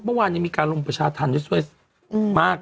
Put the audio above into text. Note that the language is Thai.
เมื่อวานยังมีการลงประชาธรรมได้ด้วยมาก